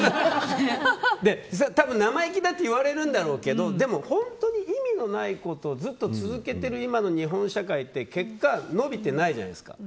多分、生意気だって言われるんだろうけどでも本当に意味のないことをずっと続けてる今の日本社会って結果、伸びてないじゃないですか。